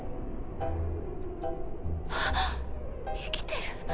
はっ生きてる。